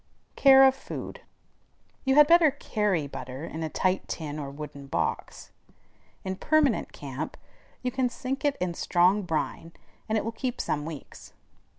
CARE OF FOOD. You had better carry butter in a tight tin or wooden box. In permanent camp you can sink it in strong brine, and it will keep some weeks.